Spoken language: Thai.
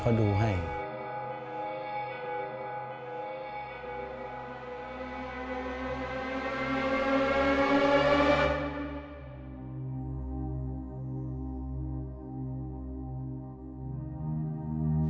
พ่อลูกรู้สึกปวดหัวมาก